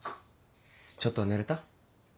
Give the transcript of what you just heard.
ちょっとは寝れた？